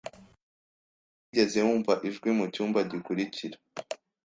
Ntabwo wigeze wumva ijwi mucyumba gikurikira?